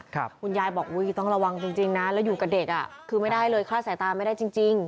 คุณยายบอกอุ้ยต้องระวังจริงนะแล้วอยู่กับเด็กอ่ะคือไม่ได้เลยคลาดสายตาไม่ได้จริงจริง